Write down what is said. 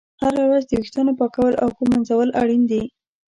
هره ورځ د ویښتانو پاکول او ږمنځول اړین دي.